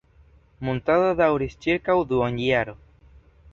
Muntado daŭris ĉirkaŭ duonjaro.